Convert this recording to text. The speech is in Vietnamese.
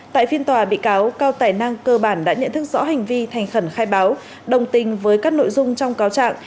tại phiên tòa bị cáo cao tài năng cơ bản đã nhận thức rõ hành vi thành khẩn khai báo đồng tình với các nội dung trong cáo trạng